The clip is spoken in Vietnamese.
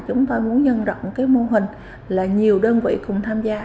chúng tôi muốn nhân rộng cái mô hình là nhiều đơn vị cùng tham gia